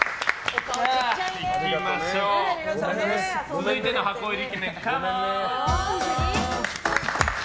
続いての箱入りイケメンカモン！